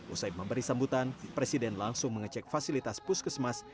usai memberi sambutan presiden langsung mengecek fasilitas puskesmas